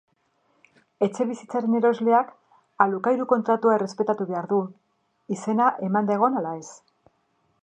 Etxebizitzaren erosleak alokairuko kontratua errespetatu behar du, izena emanda egon ala ez.